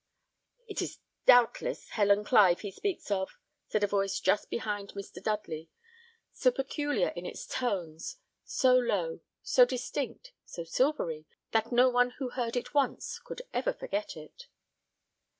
"It is doubtless Helen Clive he speaks of," said a voice just behind Mr. Dudley; so peculiar in its tones, so low, so distinct, so silvery, that no one who heard it once could ever forget it.